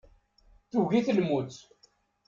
Tugi-t lmut.